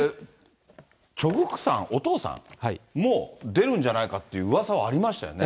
チョ・グクさん、お父さんも出るんじゃないかといううわさはありましたよね。